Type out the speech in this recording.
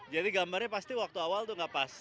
jadi gambarnya pasti waktu awal itu tidak pas